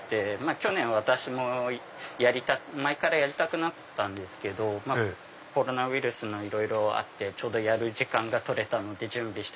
去年私も前からやりたかったんですけどコロナウイルスのいろいろあってやる時間がとれたので準備して。